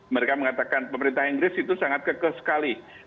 mereka mengatakan pemerintah inggris itu sangat kekeh sekali